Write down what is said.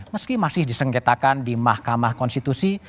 meski masih disengketakan di mahkamah konstitusi